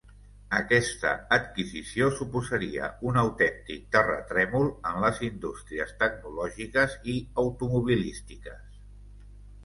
Aquesta adquisició suposaria un autèntic terratrèmol en les indústries tecnològiques i automobilístiques.